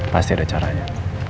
pasti ada caranya